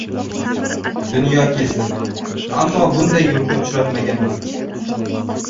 Dunyo kezdim, ammo bunday yurtni uchratmaganman.